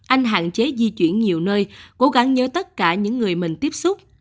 anh hạn chế di chuyển nhiều nơi cố gắng nhớ tất cả những người mình tiếp xúc